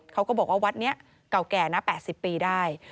เขาก็บอกว่าวัดนี้เก่าแก่นะ๘๐ปีได้